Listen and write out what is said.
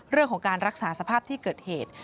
เรื่องของการรักษาสภาพที่เกิดเหตุ